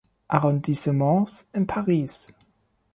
Arrondissements in Paris.